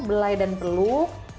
belai dan peluk